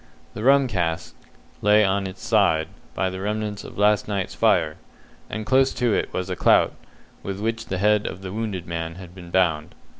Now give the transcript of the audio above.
The rum cask lay upon its side by the remnants of last night's fire, and close to it was a clout, with which the head of the wounded man had been bound.